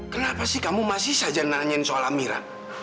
kenapa sih kamu masih saja nanyain soal amira